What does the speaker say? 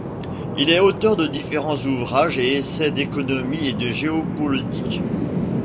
Il est auteur de différents ouvrages et essais d'économie et de géopolitique.